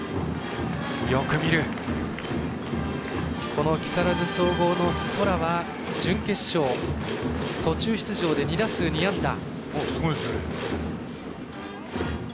この木更津総合の空は準決勝、途中出場で２打数２安打。